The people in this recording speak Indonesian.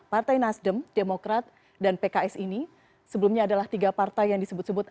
partai nasdem demokrat dan pks ini sebelumnya adalah tiga partai yang disebut sebut